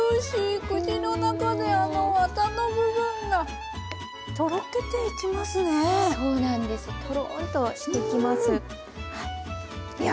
口の中であのワタの部分がとろけていきますね。